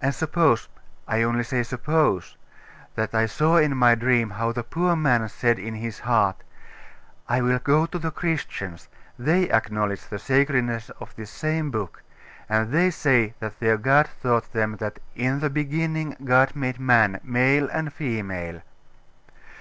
And suppose I only say suppose that I saw in my dream how the poor man said in his heart, "I will go to the Christians; they acknowledge the sacredness of this same book; and they say that their God taught them that 'in the beginning God made man, male and female.